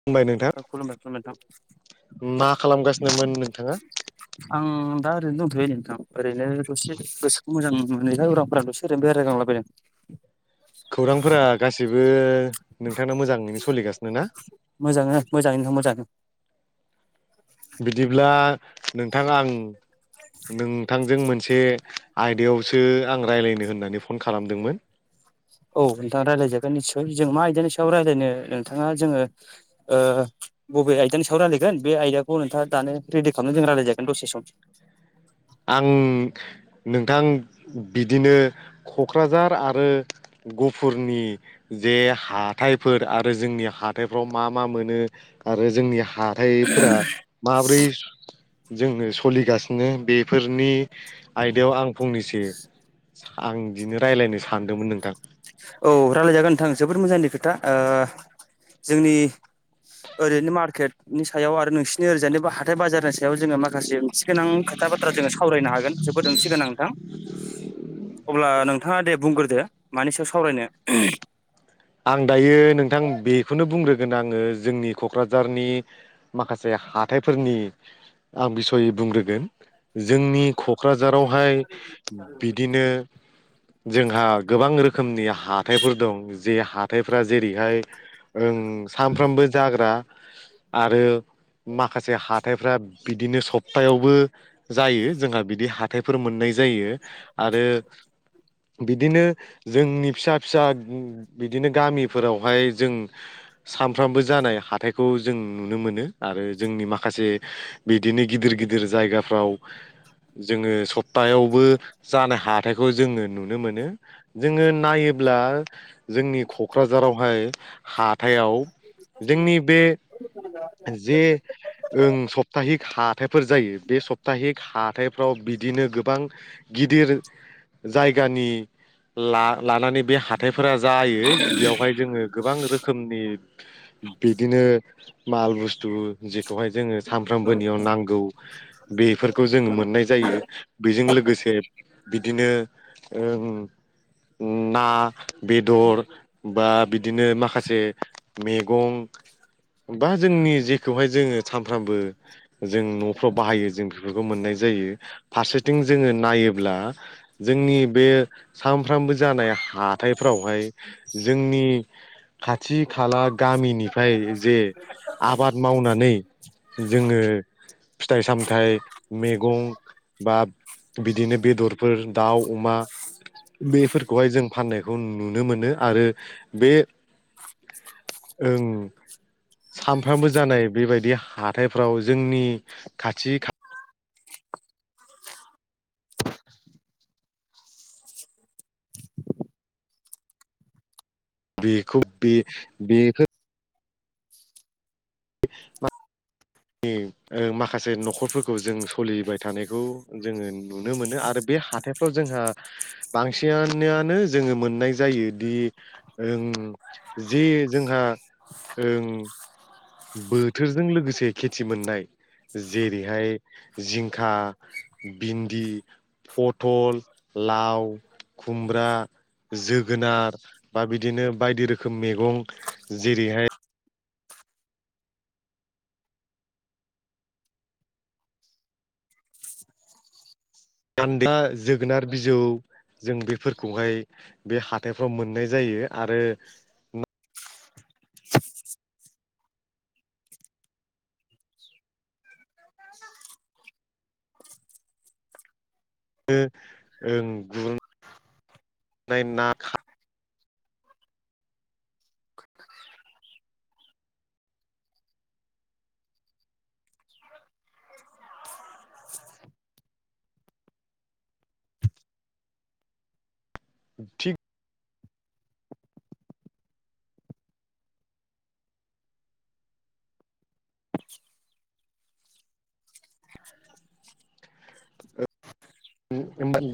खुलुमबाय नोंथां खुलुमबाय खुलुमबाय नोंथां मा खालामगासिनोमोन नोंथाङा? आं दा ओरैनो दंथ'यो नोंथां ओरैनो दसे गोसोखौ मोजां मोनैलाय उरांफोरा दसे ओरैनो बेरायगांला बायदों खौरांफोरा गासिबो नोंथांना मोजाङैनो सोलिगासिनो ना मोजाङैनो मोजाङैनो मोजां बिदिब्ला नोंथां आं नोंथांजों मोनसे आयदायावसो आं रायलायनो होननानै फन खालामदोंमोन औ नोंथाङा रायलायजागोन निस्सय जों मा आयदानि सायाव रायलायनो नोंथाङा जोङो ओ बबे आयदानि सायाव रायलायगोन बे आयदाखौ नोंथाङा दानो रेडि खालामनानै जों रायलाय जागोन दसे सम आं नोंथां बिदिनो क'क्राझार आरो गहफुरनि जे हाथायफोर आरो जोंनि हाथायफ्राव मा मा मोनो आरो जोंनि हाथायफोरा माब्रै जोंनो सोलिगासिनो बे फोरनि आयदायाव आं फंनैसो आं इदिनो रायलायनो सानदोंमोन नोंथां औ रायलायजागोन नोंथां जोबोद मोजांनि खोथा ओ जोंनि ओरैनो मार्केटनि सायाव आरो नोंसिनि ओरजानि हाथाय बाजारनि सायाव जोङो माखासे गोनां खोथा बाथ्रा जोंङो सावरायनो हागोन जोबोद ओंथि गोनां नोंथां अब्ला नोंथाङा दे बुंग्रोदो मानि सायाव सावरायनो आं दायो नोंथां बेखौनो बुंग्रोगोन आङो जोंनि क'क्राझारनि माखासे हाथायफोरनि आं बिसय बुंग्रोगोन जोंनि क'क्राझारावहाय बिदिनो जोंहा गोबां रोखोमनि हाथायफोर दं जे हा थायफ्रा जेरैहाय ओं सानफ्रामबो ओं जाग्रा आरो माखासे हाथायफ्रा बिदिनो सप्थायावबो जायो जोंहा बिदि हाथायफोर मोननाय जायो आरो बिदिनो जोंनि फिसा फिसा बिदिनो गामिफोरावहाय जों सानफ्रामबो जानाय हाथाइखौ जों नुनो मोनो आरो जोंनि माखासे बिदिनो गिदिर गिदिर जायगाफ्राव जोङो सप्तायावबो जानाय हाथायखौ जोङो नुनो मोनो जोङो नायोब्ला जोंनि क'क्राझारावहाय हाथायाव जोंनि बे [unintelligible] जे ओं सप्ताहिक हाथाइफोर जायो बे सप्ताहिक हाइफ्राव बिदिनो गोबां गिदिर जायगानि ला लानानै बे हा थायफोरा जायो बेयावहाय जोङो गोबां रोखोमनि बिदिनो माल बुस्थु जेखौहाय जोङो सानफ्रोमबोनियाव नांगौ बेफोरखौ जों मोननाय जायो बेजों लोगोसे बिदिनो ओं ना बेदर बा बिदिनो माखासे मैगं बा जोंनि जेखौहाय जोङो सानफ्रामबो जों न'फ्राव बाहायो जों बेफोरखौ मोननाय जायो फारसेथिं जोङो नायोब्ला जोंनि बे सानफ्रोमबो जानाय हाथायफ्रावहाय जोंनि खाथि खाला गामिनिफ्राय जे आबाद मावनानै जोङो फिथाइ सामथाइ मेगं बा बिदिनो बेदरफोर दाउ अमा बेफोरखौहाय जों फाननायखौ नुनो मोनो आरो बे ओं सानफ्रामबो जानाय बेबायदि हाथायफ्राव जोंनि खाथि खा बेखौ बे बेखौ [unintelligible] [unintelligible] ओ माखासे न'खरफोरखौ जों सलिबाय थानायखौ जोङो नुनो मोनो आरो बे हाथाय जोंहा बांसिनानोआनो जोङो मोननाय जायो दि ओं जि जोंहा ओं बोथोरजों लोगोसे खेथि मोननाय जेरैहाय जिंखा भिन्दि पथल लाव खुमब्रा जोगोनार बा बिदिनो बायदि रोखोम मेगं जेरैहाय [unintelligible] जोगोनार बिजौ जों बेफोरखौहाय बे हाथाइफ्राव मोननाय जायो आरो ओं गुरनाय ना खा थिग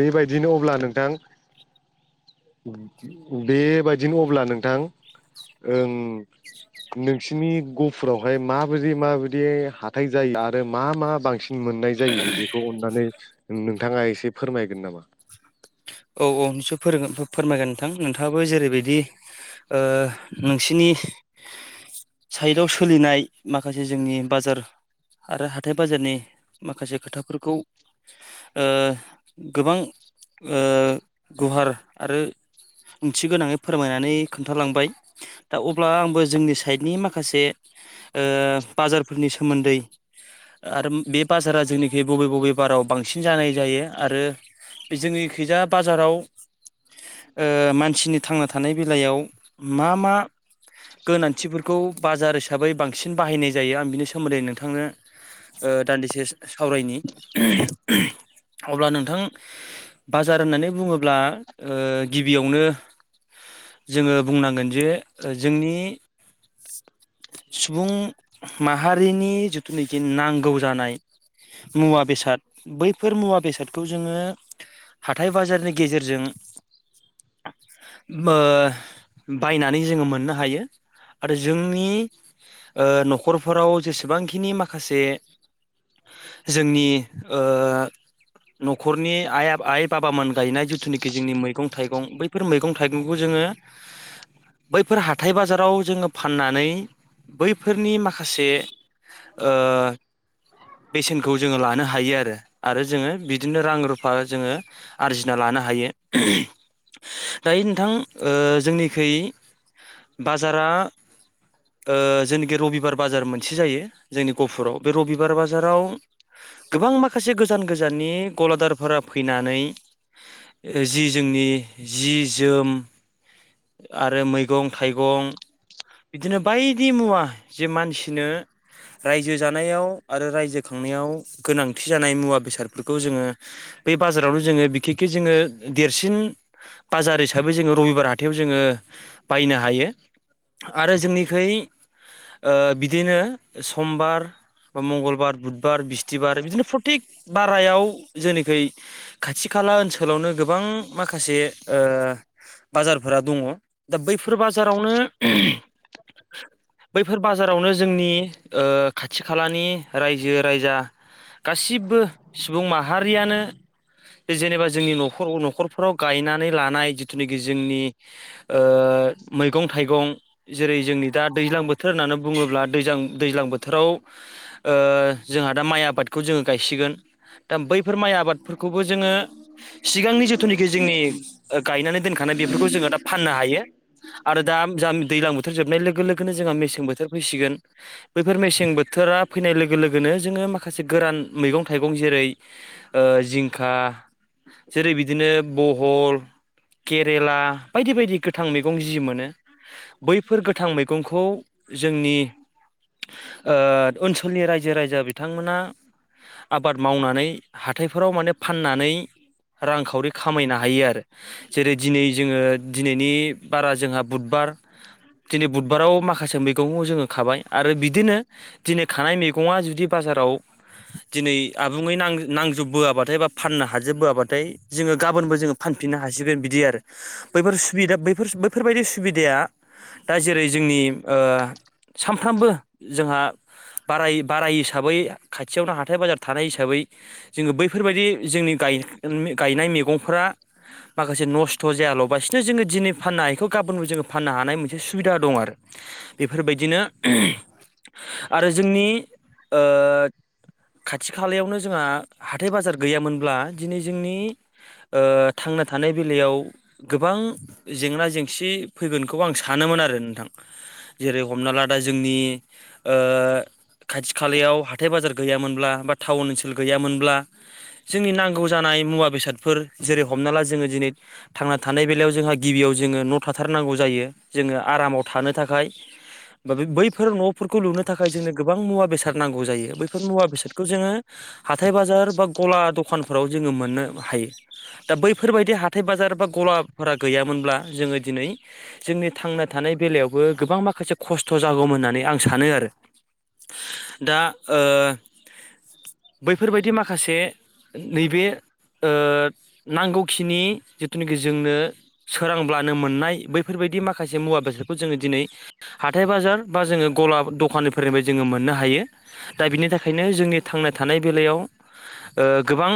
बेबायदिनो अब्ला नोंथां बेबादिनो अब्ला नोंथां ओं नोंसिनि गुफुरावहाय माबायदि माबायदि हाथाय जायो आरो मा मा बांसिन मोननाय जायो बेखौ अननानै नोंथाङा एसे फोरमायगोन नामा औ औ [unintelligible] फोरों फोरमायगोन नोंथां नोंथाङाबो जेरैबायदि नोंसिनि साइडाव सोलिनाय माखासे जोंनि बाजार आरो हाथाय बाजारनि माखासे खोथाफोरखौ गोबां गुवार आरो ओंथि गोनाङै फोरमायनानै खोन्थालांबाय दा अब्ला आंबो जोंनि साइडनि माखासे बाजारफोरनि सोमोन्दै आरो बे बाजारा जोंनिखि बबे बबे बाराव बांसिन जानाय जायो आरो बे जोंनि खैजा बाजाराव मानसिनि थांना थानाय बेलायाव मा मा गोनांथिफोरखौ बाजार हिसाबै बांसिन बाहायनाय जायो आं बिनि सोमोन्दै नोंथांनो दान्दिसे सावरायनि अब्ला नोंथां बाजार होननानै बुङोब्ला गिबियावनो जोङो बुंनांगोन जे जोंनि सुबुं माहारिनि जिथुनाखि नांगौ जानाय मुवा बेसाद बैफोर मुवा बेसादखौ जोङो हाथाइ बाजारनि गेजेरजों बायनानै जोङो मोननो हायो आरो जोंनि न'खरफोराव जेसेबांखिनि माखासे जोंनि न'खरनि आइ आफ आइ बाबामोन गायनाय जिथुनिखि जोंनि मैगं थाइगं बैफोर मैगं थाइगंखौ जोङो बैफोर हाथाय बाजाराव जोङो फाननानै बैफोरनि माखासे ओ बेसेनखौ जोङो लानो हायो आरो आरो जोङो बिदिनो रां रुफा जोङो आरजिना लानो हायो दायो नोंथां जोंनिखै बाजारा जेनाखि रबिबार बाजार मोनसे जायो जोंनि गपुराव बे रबिबार बाजाराव गोबां माखासे गोजान गोजाननि गलादारफोरा फैनानै जि जोंनि जि जोम आरो मैगं थाइगं बिदिनो बायदि मुवा जे मानसिनो रायजो जानायाव आरो रायजो खांनायाव गोनांथि जानाय मुवा बेसादफोरखौ जोङो बे बाजारावनो जोङो बिखेके जोङो देरसिन बाजार हिसाबै जोङो रबिबार हाथायाव जोङो बायनो हायो आरो जोंनिखै बिदिनो समबार बा मंगलबार बुधबार बिस्थिबार बिदिनो प्रतेक बारायाव जोंनिखै खाथि खाला ओनसोलावनो गोबां माखासे ओ बाजारफोरा दङ दा बैफोर बाजारावनो बैफोर बाजारावनो जोंनि खाथि खालानि रायजो रायजा गासिबो सुबुं माहारियानो बे जेनेबा जोंनि न'खर न'खरफ्राव गायनानै लानाय जिथुनाखि जोंनि मैगं थाइगं जेरै जोंनि दा दैज्लां बोथोर होननानै बुङोब्ला दैज्लां दैज्लां बोथोराव जोंहा दा माइ आबादखौ जोङो गायसिगोन दा बैफोर माइ आबादफोरखौबो जोङो सिगांनि जेथुनाखि जोंनि गायनानै दोनखानाय बेफोरखौ जोङो दा फाननो हायो आरो दा जा दैज्लां बोथोर जोबनाय लोगो लोगोनो जोंहा मेसें बोथोर फैसिगोन बैफोर मेसें बोथोरा फैनाय लोगो लोगोनो जोङो माखासे गोरान मैगं थाइगं जेरै जिंखा जेरै बिदिनो बहल केरेला बायदि बायदि गोथां मैगं जि मोनो बैफोर गोथां मैगंखौ जोंनि ओनसोलनि रायजो राजा बिथांमोना आबाद मावनानै हाथायफोराव माने फाननानै रांखावरि खामायनो हायो आरो जेरै दिनै जोङो दिनैनि बारा जोंहा बुधबार दिनै बुधबाराव माखासे मैगंखौ जोङो खाबाय आरो बिदिनो दिनै खानाय मैगङा जुदि बाजाराव दिनै आबुङै नांजोब बा फाननो हाजोबबोआबाथाय जोङो गाबोनबो जोङो फानफिननो हासिगोन बिदि आरो बैफोर सुबिदा बैफोर बैफोरबायदि सुबिदाया दा जेरै जोंनि ओ सानफ्रामबो जोंहा बाराय बाराय हिसाबै खाथियावनो हाथाय-बाजार थानाय हिसाबै जोङो बैफोरबायदि जोंनि गाय गायनाय मैगंफोरा माखासे नस्थ' जायाल'बासिनो जोङो दिनै फाननो हायैखौ गाबोनबो जोङो फाननो हानाय मोनसे सुबिदा दं आरो बेफोरबायदिनो आरो जोंनि ओ खाथि खालायावनो जोंहा हाथाय-बाजार गैयामोनब्ला दिनै जोंनि ओ थांना थानाय बेलायाव गोबां जेंना-जेंसि फैगोनखौ आं सानोमोन आरो नोंथां जेरै हमना ला दा जोंनि ओ खाथि खालायाव हाथाय बाजार गैयामोनब्ला बा टाउन ओनसोल गैयामोन ब्ला जोंनि नांगौ जानाय मुवा बेसादफोर जेरै हमना ला जोङो दिनै थांना थानाय बेलायाव जोंहा गिबियाव जोङो न' थाथारनांगौ जायो जोङो आरामाव थानो थाखाय बैफोर न'फोरखौ लुनो थाखाय जोंनो गोबां मुवा-बेसाद नांगौ जायो बै फोर मुवा बेसादखौ जोङो हाथाय बाजार बा ग'ला दखानफोराव जोङो मोननो हायो दा बैफोरबायदि हाथाय-बाजार बा ग'लाफोरा गैयामोनब्ला जोङो दिनै जोंनि थांना थानाय बेलायावबो गोबां माखासे खस्थ' जागौमोन होननानै आं सानो आरो दा ओ बैफोरबायदि माखासे नैबे ओ नांगौखिनि खिनिखो जोंनो सोरांब्लानो मोननाय बैफोरबायदि माखासे मुवा-बेसादखौ जोङो दिनै हाथाय-बाजार बा जोङो ग'ला दखाननिफ्राय जोङो मोननो हायो दा बिनि थाखायनो जोंनि थांना था नाय बेलायाव ओ गोबां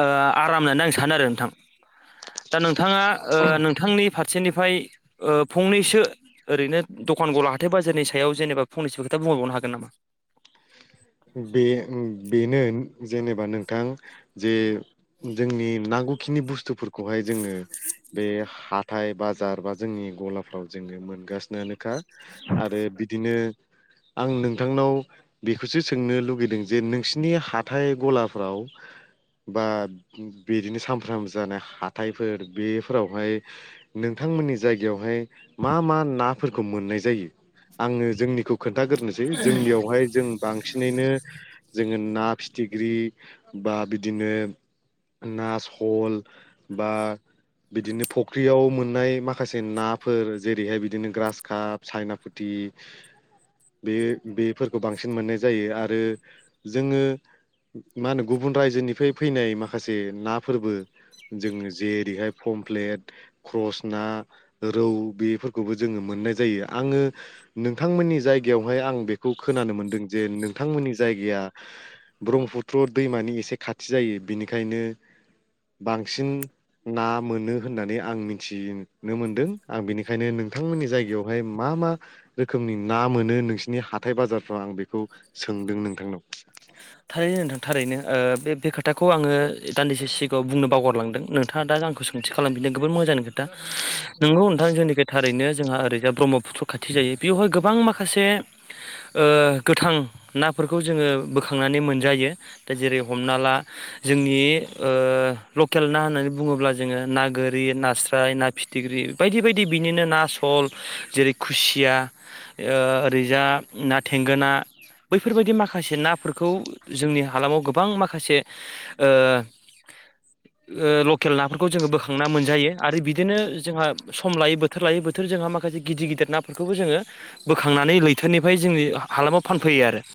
आराम होननानै आं सानो आरो नोंथां दा नोंथाङा ओ नोंथांनि फारसेनिफ्राय ओ फंनैसो ओरैनो द'खान ग'ला हाथाय-बाजारनि सायाव जेनेबा फंनैसो खोथा बुंहरबावनो हागोन नामा? बे बेनो जेनेबा नोंथां जे जोंनि नांगौखिनि बुस्थुफोरखौहाय जोङो बे हाथाय बाजार बा जोंनि गलाफ्राव जोङो मोनगासिनोनोखा आरो बिदिनो आं नोंथांनाव बिखौसो सोंनो लुगैदों जे नोंसिनि हाथाय गलाफ्राव बा बिदिनो सामफ्रामबो जानाय हाथायफोर बेफोरावहाय नोंथांमोननि जायगायावहाय मा मा नाफोरखौ मोननाय जायो आङो जोंनिखौ खोन्थागोरनिसै जोंनियावहाय जों बांसिनैनो जोङो ना फिथिख्रि बा बिदिनो ना सल बा बिदिनो फुख्रियाव मोननाय माखासे नाफोर जेरैहाय बिदिनो ग्रास काप सायनापुथि बे बेफोरखौ बांसिन मोननाय जायो आरो जोङो मा होनो गुबुन रायजोनिफ्राय फैनाय माखासे नाफोरबो जोङो जेरैहाय पमफ्लेट ख्रस ना रौ बेफोरखौबो जोङो मोननाय जायो आङो नोंथांमोननि जायगायावहाय आं बेखौ खोनानो मोनदों जे नोंथांमोननि जायगाया ब्रह्मपुत्र दैमानि एसे खाथि जायो बिनिखायनो बांसिन ना मोनो होननानै आं मिथिनो मोनदों आं बेनिखायनो नोंथांमोननि जायगायाव हाय मा मा रोखोमनि ना मोनो नोंसिनि हाथाइ बाजारफोराव आं बेखौहाय खौ सोंदों नोंथांनाव थारैनो नोंथां थारैनो ओ बे खोथाखौ आङो दान्दिसे सिगाङाव बुंनो बावगरलांदों नोंथाङा दा आंखौ सों थि खालामफिनदों गोबां जोबोर मोजांनि खोथा नंगौ नोंथां जोंनि थारैनो जों ओरैजाय ब्रह्मपुत्र खाथि जायो बेवहाय गोबां माखासे ओ गोथां नाफोरखौ जोङो बोखां नानै मोनजायो दा जेरै हमना ला जोंनि ओ लकेल ना होननानै बुङोब्ला जोङो ना गोरि नास्राय ना फिथिख्रि बायदि बायदि बिनिनो ना सल जेरै खुसिया ओरैजा ना थेंगोना बैफोरबायदि माखासे नाफोर खौ जोंनि हालामाव गोबां माखासे ओ [inaudible] ओ लकेल नाफोरखौ जोङो बोखांना मोनजायो आरो बिदिनो जोंहा सम लायो बो थोर लायो बोथोर जोंहा माखासे गिदिर गिदिर नाफोरखौबो जोङो बोखांनानै लैथोरनिफ्राय जोंनि हालामाव फानफैयो आरो